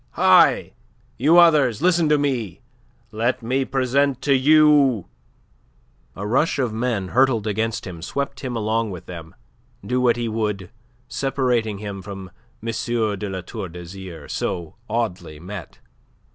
Hi! You others, listen to me! Let me present you to..." A rush of men hurtled against him, swept him along with them, do what he would, separating him from M. de La Tour d'Azyr, so oddly met.